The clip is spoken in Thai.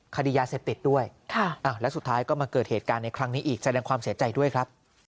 คดียาเสพติดด้วยแล้วสุดท้ายก็มาเกิดเหตุการณ์ในครั้งนี้อีกแสดงความเสียใจด้วยครับ